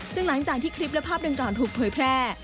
ซึ่งหลังจากที่คลิปและภาพดังกล่าวถูกเผยแพร่